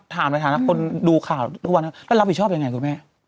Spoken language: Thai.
ถามอะไรถามคนดูข่าวทุกวันนะฮะแล้วเรารับผิดชอบยังไงคุณแม่